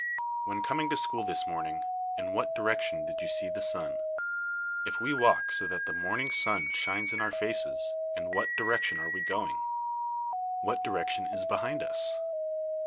When coming to school this morning, in what direction did you see the sun? If we walk so that the morning sun shines in our faces, in what direction are we going? What direction is behind us?